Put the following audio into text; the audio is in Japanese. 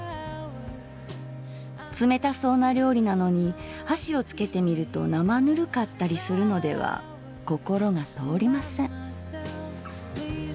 「つめたそうな料理なのに箸をつけて見るとなまぬるかったりするのでは心が通りません」。